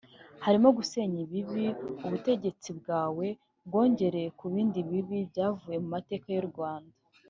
Harimo gusenya ibibi ubutegetsi bwawe bwongereye ku bindi bibi byavuye mu mateka y’u Rwanda